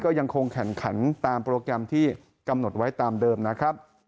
ยังคงแข่งขันตามโปรแกรมที่กำหนดไว้ตามเดิมนะครับ